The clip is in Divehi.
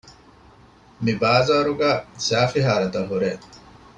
މިބާޒާރުގައި ސައިފިހާރަތައް ހުރޭ